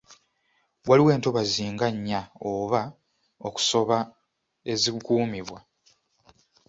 Waliwo entobazi nga nnya oba okusoba ezikuumibwa.